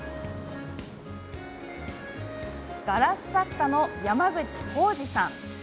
ガラス作家の山口浩二さん。